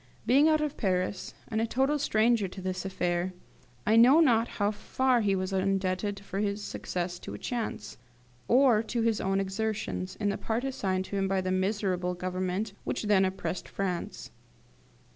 Being out of Paris, and a total stranger to this affair, I know not how far he was indebted for his success to chance, or to his own exertions, in the part assigned to him by the miserable Government which then oppressed France.